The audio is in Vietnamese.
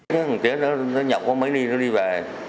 một tiếng nữa nó nhậu có mấy ly nó đi về